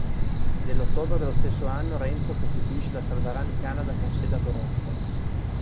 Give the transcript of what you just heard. Nell'ottobre dello stesso anno Renzo costituisce la "Salvarani Canada" con sede a Toronto.